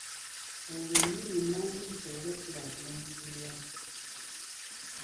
Olwo ennimi ennansi zisobole okukulaakulanyizibwa.